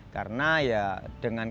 karena ya dengan kepeduliannya